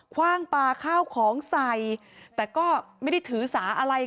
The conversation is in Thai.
คว่างปลาข้าวของใส่แต่ก็ไม่ได้ถือสาอะไร